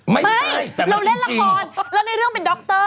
ไม่เราเล่นละครแล้วในเรื่องเป็นดร